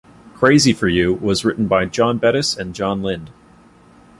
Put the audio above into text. "Crazy for You" was written by John Bettis and Jon Lind.